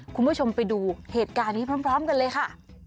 คุณผู้ชมไปดูเหตุการณ์นี้พร้อมกันเลยค่ะ